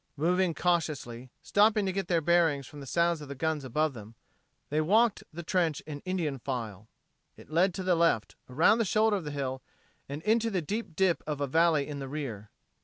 Moving cautiously, stopping to get their bearings from the sounds of the guns above them, they walked the trench in Indian file. It led to the left, around the shoulder of the hill, and into the deep dip of a valley in the rear.